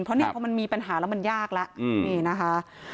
เพราะเนี่ยพอมันมีปัญหาแล้วมันยากแล้วนี่นะคะ